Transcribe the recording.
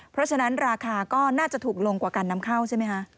เพราะฉะนั้นราคาก็น่าจะถูกลงกว่าการนำเข้าใช่ไหมคะ